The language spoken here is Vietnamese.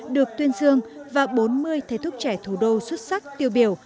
được tuyên dương và bốn mươi thầy thuốc trẻ thủ đô xuất sắc tiêu biểu